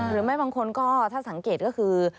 หรือไม่บางคนก็ถ้าสังเกตก็คือ